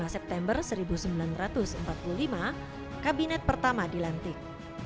lima september seribu sembilan ratus empat puluh lima kabinet pertama dilantik